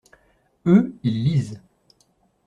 Eux, ils lisent.